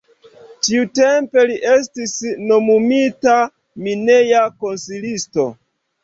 Tiutempe li estis nomumita mineja konsilisto.